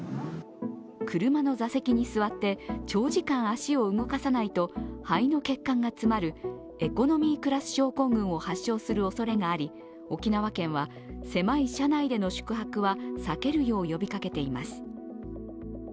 車の座席に座って長時間足を動かさないと肺の血管が詰まるエコノミークラス症候群を発症するおそれがあり沖縄県は狭い車内での宿泊は避けるよう呼びかけています。